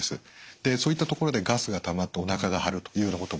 でそういったところでガスがたまっておなかが張るというようなことが起こる。